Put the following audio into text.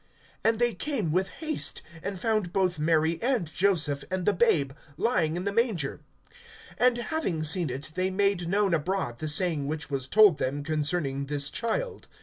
(16)And they came with haste, and found both Mary and Joseph, and the babe lying in the manger. (17)And having seen it, they made known abroad the saying which was told them concerning this child.